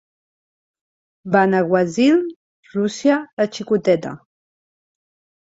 Benaguasil, Rússia la xicoteta.